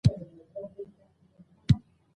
نمک د افغانستان د صنعت لپاره مواد برابروي.